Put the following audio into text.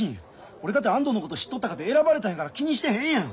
俺かて安藤のこと知っとったかて選ばれたんやから気にしてへんやん。